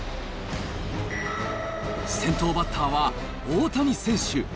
先頭バッターは大谷選手。